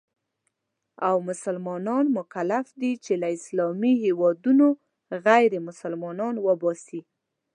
او مسلمانان مکلف دي چې له اسلامي هېوادونو غیرمسلمانان وباسي.